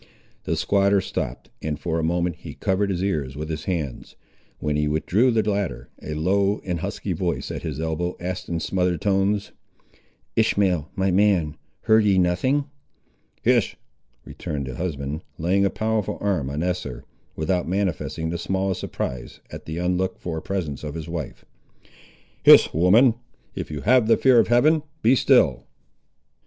The squatter stopped, and for a moment he covered his ears with his hands. When he withdrew the latter, a low and husky voice at his elbow asked in smothered tones— "Ishmael, my man, heard ye nothing?" "Hist," returned the husband, laying a powerful arm on Esther, without manifesting the smallest surprise at the unlooked for presence of his wife. "Hist, woman! if you have the fear of Heaven, be still!"